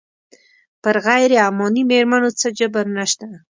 پر غیر عماني مېرمنو څه جبر نه شته.